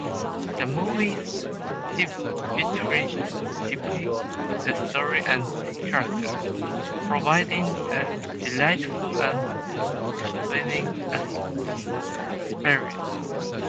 The movies beautifully depict the story and characters, providing a delightful and thrilling experience.